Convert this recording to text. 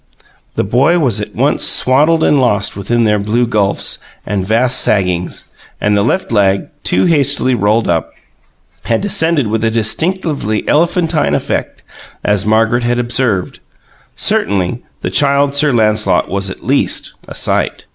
The boy was at once swaddled and lost within their blue gulfs and vast saggings; and the left leg, too hastily rolled up, had descended with a distinctively elephantine effect, as Margaret had observed. Certainly, the Child Sir Lancelot was at least a sight.